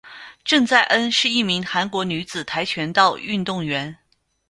郑在恩是一名韩国女子跆拳道运动员。